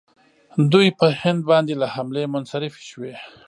دوی په هند باندې له حملې منصرفې شوې.